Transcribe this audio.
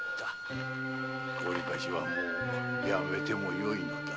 高利貸しはもうやめてもよいのだ。